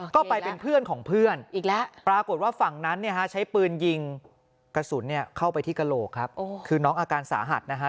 ก็ไปเป็นเพื่อนของเพื่อนอีกแล้วปรากฏว่าฝั่งนั้นเนี่ยฮะใช้ปืนยิงกระสุนเข้าไปที่กระโหลกครับคือน้องอาการสาหัสนะฮะ